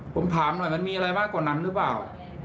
ผมถามหน่อยมันมีอะไรมากกว่านั้นหรือเปล่า